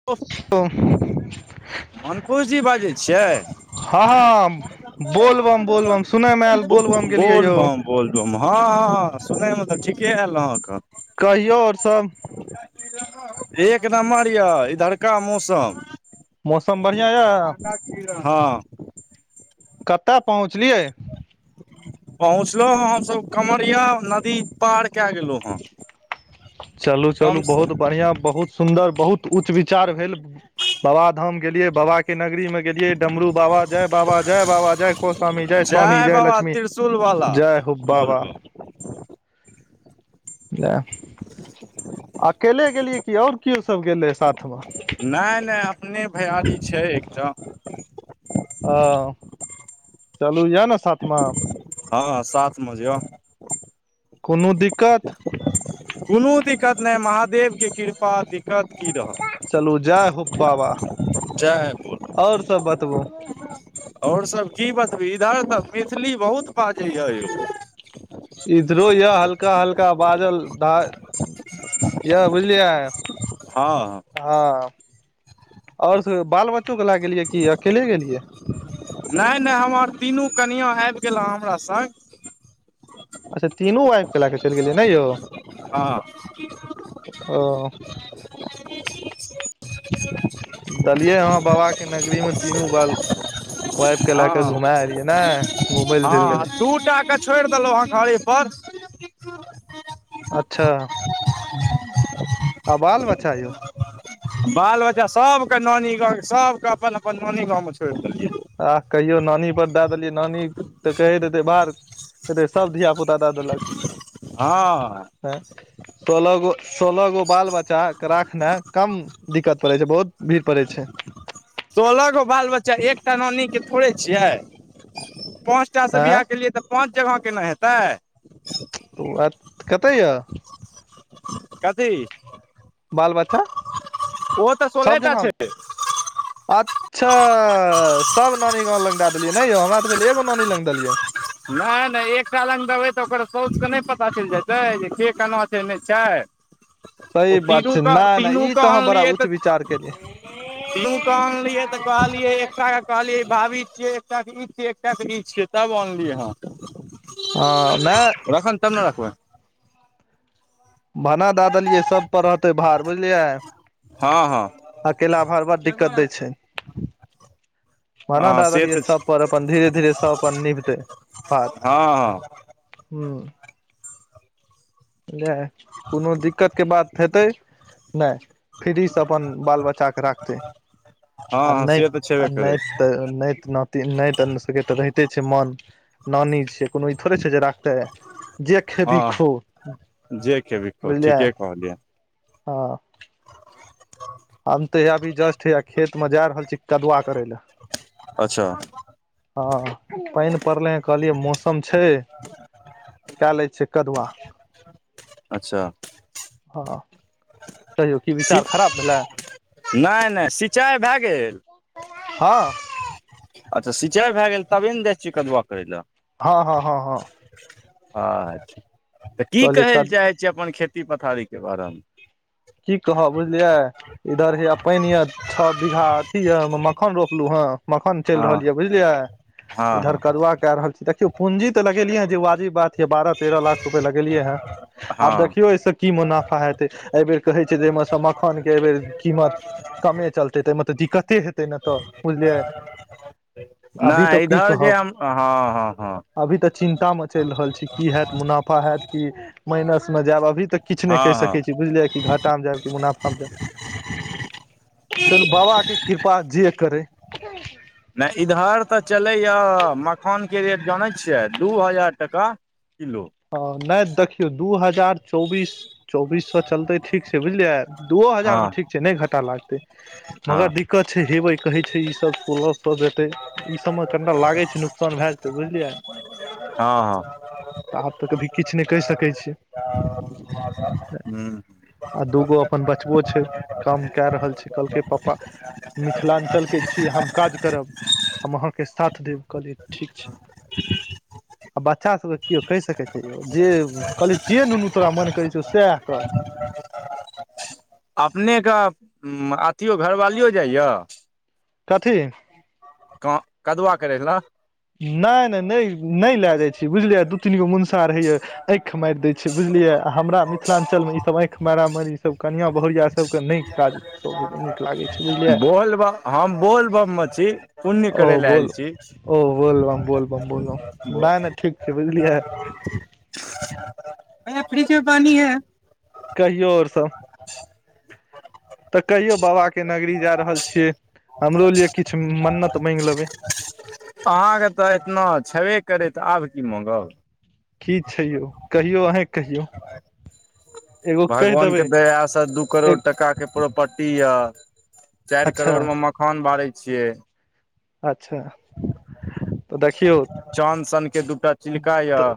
त मंकुश जी बाजै छियै। हँ हँ बोलबम बोलबम सुनय मे आयल बोलबम गेलियै यौ बोलबम। बोलबम हँ -हँ -हँ सुनयमे त ठीके आयल अहाँके। कहियौ और सब। एक नम्बर यऽ इधरका मौसम। मौसम बढ़ियाँ यऽ। हँ। कतऽ पहुँचलियै। पहुँचलहुँ हेँ हमसभ कँवरिया नदी पार कए गेलहु हेँ। चलू-चलू बहुत बढ़ियाँ बहुत सुन्दर बहुत उच्च विचार भेल बाबा धाम गेलियै बाबाके नगरीमे गेलियै डमरू बाबा जय बाबा, जय बाबा, जय को स्वामी, जय स्वामी, जय बाबा लक्ष्मी। त्रिशूल वाला जय हो बाबा। बोलबम अकेले गेलियै कि आओर कियो सब गेलै साथमे। नय-नय अपने भैयारी छैय एकटा। अ चलू य न साथ म। हँ साथ म य। कोनो दिक्कत? कोनो दिक्कत नहि महादेवके कृपा दिक्क चलू जय हो बाबा, जय बोल आओर सब बतबू। आओर सभ की बतबि इधर त मैथिली बहुत बाजैए यौ। इधरो य हल्का- हल्का बाजल द यौ बुझलियै। हँ। हँ और सब बाल बच्चो के लए गेलियै कि अकेले गेलियै। नय- नय हमर तीनू कनियाँ आबि गेल हँ हमरा सङ्ग। अच्छा तीनू वाइफके लऽ कऽ चलि गेलियै नै यौ। हँ। ओ। देलियै ह बाबा के नगरी मे तीनू वा वाइफ के लए क हँ घुमा एलियै ने घूमय लए चलि गेलै। [inaudible] छोइड़ देलो हँ घरे पर। अच्छा। आ बाल -बच्चा यौ। बाल- बच्चा सबके नानी गाँव, सबके अपन अपन नानी गाँव मे छोड़ि देलिय। आ कहियो नानी पर दे देलिय, नानी तऽ कहैत हेत बार ते सब धिया -पुता द देलक। हँऽ तें, सोलह गो सोलह गो बाल बच्चा के राखनाय कम दिक्कत पड़े छय, बहुत भीड़ पड़ै छय। सोलह गो बाल बच्चा, एकटा नानी के थोड़े छिय, पाँच टा से बियाह आँय केलियै, त पाँच जगह केन हेतय। ओ अत कतऽ य। कथी। बाल बच्चा, ओ तऽ सब सोलेटा छै जगह, अ च्छा, सब नानी गाँंव लग दे देलिय, नहि यौ हमरा त भेल एगो नानी लग देलिय। नहि नहि, एकटा लग देबै तऽ ओकर सौच के नहि पता चलि जेतै, जे के केनाछय नय छय। ओ सही बात तीनू छै क नहि तीनू नहि ई क तऽ अहाँ बड़ा अनलियै उच्च त विचार केलियै तीनू के अनलियै, तऽ कहलियै एकटा के कहलियै भाभी छिय, एकटा इ छियइ एकटा छियइ। तब अनलिये हँ। अ नय। अखन तने राखबै। भने दे देलियै, सभपर रहतै भार बुझलिय। हँ हँ अकेला भार, बड दिक्कत दै छै। भने हँ द से दलिये तऽ सब पर, अपन धीरे धीरे सब अपन निभते भार। हँ हँ हूं [unintelligible] कोनो दिक्कत के बात हेतै, नहि। फ्री सँ अपन बाल -बच्चाके राखतै हँ आ हँ नहि से तऽ आ छेबे करै नहि नैत -नातिन नैत सबके रहिते छै मान, नानी छै कोनो ई थोड़े छय जे राख त जे खेबी खो हँ जे खेबही खो बुझलिय। ठीके कहलियै आ हम त हिया अभी जस्ट हेया खेत मे जा रहल छी, कदुआ करय ले। अच्छा हँ पनि परलेहं कहलियै मौसम छै कै लै छिय कदुआ। अच्छा हँऽ, कहियौ कि विचार खराब भेलै? नय नय सिंचाइ भै गेल? हाँ। अच्छा सिंचाइ भै गेल, तबे न जाय छिय कदुआ करै लै। हँ- हँ- हँ- हँ अछ छा, तऽ कि कहलियै कहै ले कद चाहै छीय अपन खेती पथारीके बारेमे? कि कहब बुझलिय इधर हे पानि ये, छ बीघा अथी ये ओ मे मखान रोपलू हन। मखान चलि हँ रहल यऽ बुझलियै। हँ इधर हँ कदुआ कैरहल छी। देखियौ पूंजी तऽ लगेलिय हं, जे वाजिब बात ये बारह तेरह लाख रुपए लगेलिय हेँ। हँ आब देखियौ, एहिस की मुनाफा हेतै। एहिबेर कहय छै जे एहिमे स मखानके एहिबेर कीमत कमे चलतै, तऽमे तऽ दिक्कते हेतै ने तऽ बुझलियै। अभी तऽ नाई की इधर जे कहब हम हँ-हँ-हँ। अभी तऽ चिन्ता में चैल रहल छी, की हैऽत? मुनाफा हैऽत की माइनस में जैऽब? भी तऽ किछ नैय हँ कैह हँ सकै छी बुझलियै। आ में जैऽब कि मुनाफा में जैऽब? चलू बाबा के कृपा जे करै। [unintelligible] नैय इधर तऽ चलैया मखान के रेट जानैत छियै, दू हजार टका। किलो। अ नैय देखियौ, दू हजार चौबीस-चौबीस सौऽ चलतै ठीक छै बुझलियै? दूओ हँ हजार में ठीक छै, नैय घटा लागतै। हँ मगर दिक्कत छै हेवै क, कहै छै ई सब सोलअ सौऽ जेतै। ई सब म ठंडा लागै छै नू साॅन भैऽ जेतै बुझलियै? हँ-हँ। तऽ आब तऽ कभी किछ नैय कैह सकै छीयै? ह आ दूगो अपन बचबो छै। काम कैऽ रहल छै, कहलकै पप्पा मिथिलांचल के छी, हम काज करब? हम अहाँके साथ देब, कहलियै ठीक छै। [unintelligible] आ बच्चा सबके कियो कैह सकै छै यौ? जे कहलियै जे नुनू तोरा मन करै छौ सैह कर। [inaudible] [inaudible] अपने के अथियो घरवालियो जाइ यऽ? कथी? क-कदुआ करै लैऽ? नाय-नैय-नै-नैय लैऽ जाय छीयै, बुझलियै? दू तीन गो मुन छा रहैया, ॲंइख माइर दै छै, बुझलियै? आ हमरा मिथिलांचल में ई सब ॲंइख मारा मारी ई सब कनिआं बहुरिआ सबके नैय काज सोभै में नीक लागै छै, बुझलियै? बोलबम हम बोलबम में छी, पुण्य ओ करै लैऽ ऐल बोल छी। ओ बोलबम-बोलबम-बोलबम, नैय-नैय ठीक छै, बुझलियै। भैया फ्रिज में पानी है? कहियो और सब? [inaudible] तऽ कहियो बाबा के नगरी जा रहल छियै, हमरो लिए किछ मन्नत मैंइग लेबै। अहाँके तऽ एतना छबे करै, त आब की माँगब? की छै यौ? कहियौ ऑंहे कहि भगवान के देबै दया स दू करोड़ टका के प्रोपटी यऽ, चाइर अच्छा करोड़ में मखान बारै छियै। अच्छा। तऽ देखियौ चान सन के दूटा चिल्का तऽ यऽ।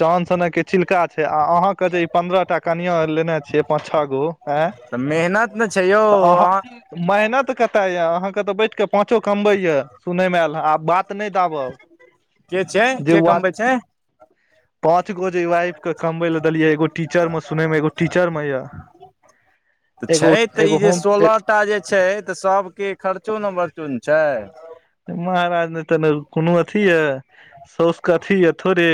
चान सनक के चिल्का छै, आ अहाँ कथि? पंन्द्रह टा कनियाँ लेने छियै, पाँच छ गो, ऐँऽ? तऽ मेहन नत न छै यौ, अहाँ मेहनत कतऽ यैऽ? अहाँ के तऽ बैठ कऽ पाँचो कमबै यैऽ, सुनै में ऐल ह, आब बात नै दाबब, के छै जे के वाजि कमबै छै पांच गो जे वाइफ के कमबै ले देलियै, एगो टीचर में सुनय में एगो टीचर में यैऽ। तऽ छै तऽ ई जे सोलअ टा जे छै, तऽ सबके खर्चो न बरचो न छै? महाराज नहि तऽ ने कोनो अथी यै? साउस के अथी यै थोड़े।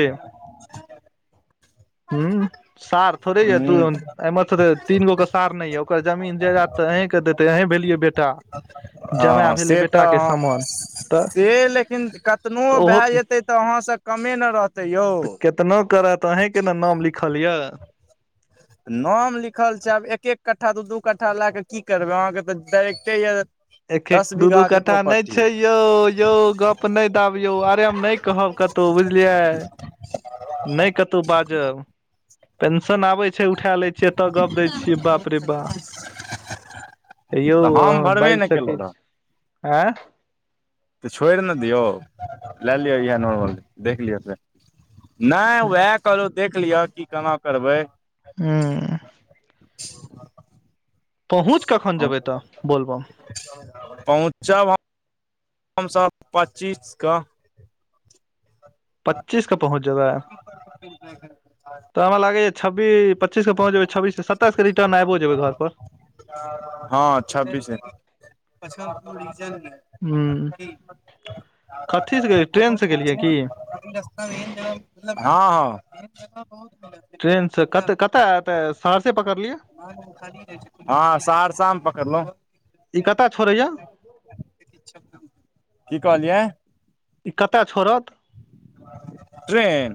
उँ सार ह थोड़ेये दु ऐ मथुरे तीनगो के साड़ नहि यै। ओकर जमीन जायदाद तऽ अहींके देतै। अहीं भेलियै बेटा। जमाए अं भेलै से तऽ बेटाके अं समान तऽ से लेकिन कतनो ओहो भेए जेतै तऽ अहाँसे कमे न रहत तऽ केतनो करत अहींके ने नाम लिखल यऽ। नाम लिखल छै। आब एक -एक कट्ठा, दू- दू कट्ठा लए कऽ की करबै। अहाँके तऽ डायरेक्टे यए। एक एक, दस दू दू बीघा के कट्ठा नहि प्रॉपर्टी छै य यौ यौ गप नहि दाबियौ। अरे हम नै कहब कतौ बुझलियै। नै कतौ बाजब। पेंशन आबै छै उठा लै छियै तऽ गप दै [unintelligible] एयौ तऽ हम अहाँ भरबे बाजि ने सकै केलहुँ छी। रहए ऐँ तऽ छोड़ि ने दियौ। लए लियअ इएह नॉर्मल देख लियौ एकरे नै उएह कहलहु, देख लिअ कि केना करबै। हुं-उँ पहुँच कखैन हम जेबै तऽ बोलबम? पहुँचब हम हम सब पच्चीस कऽ। पच्चीस के पहुँच जेबैय? [unintelligible] तऽ हमरा लागैए छबी पच्चीस के पहुँच जेबै। छब्बीस सत्ताइस कऽ रिटर्न आइबो जेबै घर पर। हँ छब्बीसे [unintelligible] हूँ कथीसँ गेलियै ट्रेनसँ गेलियै की [unintelligible] [unintelligible] हँ- हँ [unintelligible] ट्रेन से कत-कतऽ एते सहरसे पकड़लियै? [unintelligible] हँ सहरसा मे पकड़लहु। ई कतऽ छोड़ैए? कि कहलियै? ई कतऽ छोड़त? ट्रेन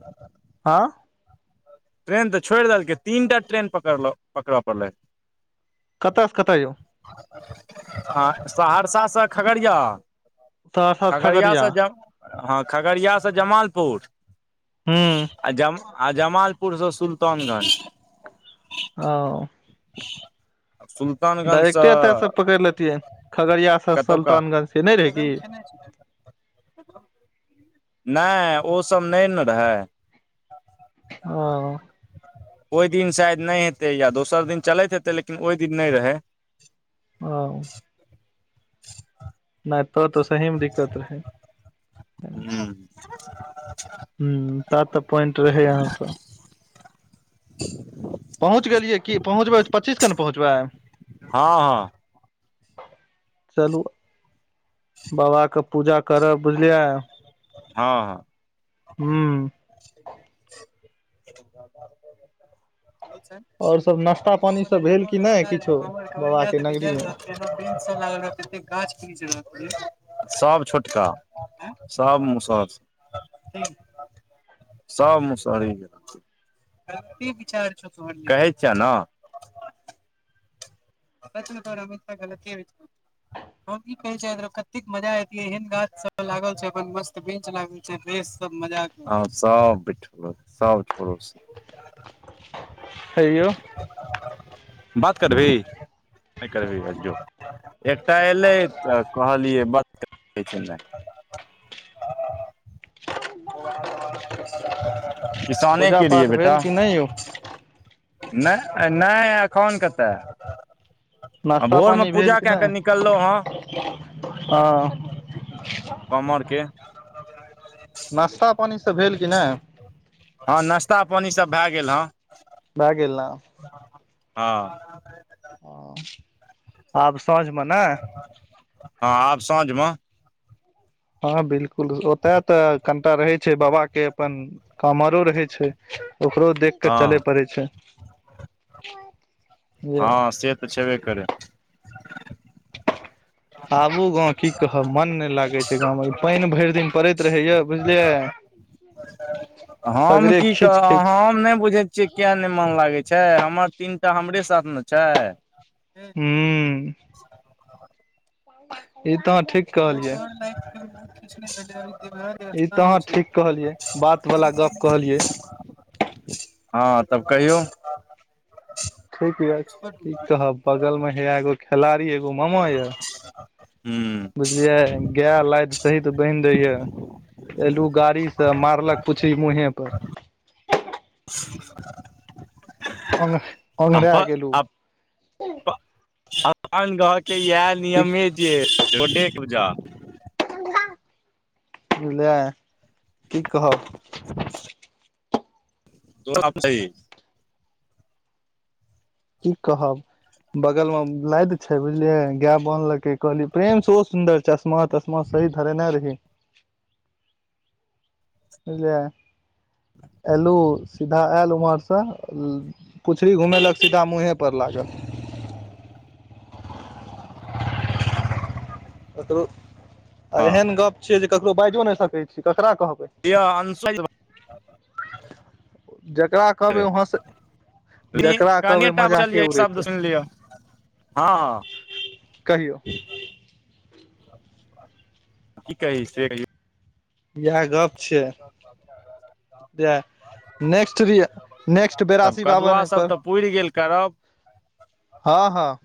हाँ? ट्रेन तऽ छोड़ि देलकै। तीनटा ट्रेन पकड़लौ, पकड़ऽ पड़लै। कतऽ से कतऽ यौ? [unintelligible] सहरसासे खगड़िया। खगड़िया से जंं हँ खगड़िया से जमालपुर, हूँ आ ज आ जमाल पुर से सुल्तानगंज। आओ सुल सुल्तानगंज डायरेक्टे एतय सँ सऽ- पकड़ि लेतियै खगड़िया सँ कतौका, सुल्तानगंज से नहि रहै की कदम खेने छीयै? नै ओ सब नै न रहै। ओ ओइ दिन शायद नै हेतै या दोसर दिन चलैत हेतै लेकिन ओइ दिन नै रहै। [inaudible] [inaudible] नाय तो-तो सही मे दिक्कत रहै। हम्म हम्म ता त प्वाइंट रहै अहाँ क। [inaudible] पहुँच गेलियै की, पहुँचबै त पच्चीस क ने पहुँचबै। हँ-हँ चलू बाबा के पूजा करब बुझलियै। हँ-हँ हम्म [unintelligible] और सब नाश्ता पानी सब भेल कि नहि किछो, बाबा के नगरी मे सब छोटका सब मुसहर सब। सब मुसहरी के, कहै छियऽ न। [unintelligible] [inaudible] हम ई कहयत चाहेत र कते मजा एतिअइ एहन गाछ सब लागल छ, अपन मस्त बेंच लागल छै, बैस सब मजा हँ सब [unintelligible] सब छोरो स हय यौ बात करभी नहि करभी आ जो एकटा एलै त कहलियै, बात [unintelligible] [inaudible] किसाने के लिए बेटा। ए ओ नै-नहि एखन कत‌ए आ नाश्ता भोरमे पानी भेल पूजा कि कए क नहि निकल‌हुं हं। हँ कमर के नाश्ता पानि सब भेल कि नहि। हँ नाश्ता पानी सब भै गेल हँ। भए गेल ना। हँ। [unintelligible] हं आब साँझमे नै। हँ आब साँझ म। हँ बिलकुल ओतय त कनटा रहै छै, बाबा के अपन कॉमरो रहै छै, ओकरो देख के चलै हँ पड़े छै। बुझलियै हँ से त छेबे करै। आबू गाँंव की कहब मन ने लागै छै गाँव मे, ई पानि भरि दिन परैत रहैय बुझलियै। हम सगरे की खीच कहब, खीच हम नहि बुझैत छियै किए नहि मन लागै छै, हमर तीनटा हमरे साथ ने छै। हम्म ई तऽ अहाँ ठीक कहलियै। [unintelligible] ई तऽ अहाँ ठीक कहलियै बात वाला गप कहलियै [unintelligible] हां। तब कहियौ? ठीक हीये। की कहब, बगल में हैया एगो खेलाड़ी ए गो उ मामा इय। हूँ बुझलियै? गेय लाइद सहित बाईन्ह रहिए। एल्हु गाड़ी से, मारलक पुछी मुहे पर। [inaudible] ओंघ ओंघराय गेलू। अप अपन घर के इहै की नियम ही छिये, खूंटेक पूजा। लए की कहब? [unintelligible] की कहब। बगल में नाइद छै बुझलिये। गाय बनलहक है। कहली प्रेम से ओ सुंन्दर चश्मा तश्मा सहित धरेने रही। बुझलियै। एलहु, सीधा आयल हुवां से पुछड़ी घुमेलक, सीधा मुँहे पर लागल। ककरो, आ हँ एहन गप छै, जे ककरो बाजियो नहि सकै छी। ककरा कहबै? किए अनसाई [unintelligible] जकरा कहबै ओ हँसे तीन, कनि टा बचलिए। एक शब्द उड़ेतै सुन लियो। हँ हँ। कहियौ। की कहै से [unintelligible] इहाय गप छीये। ईए, नेक्स्ट बीए, नेक्स्ट बेरासी बाबन पर। ऊइर गेल करब। हँ हँ।